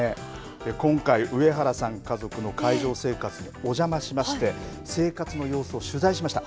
今回、上原さん家族の海上生活おじゃましまして生活の様子を取材しました。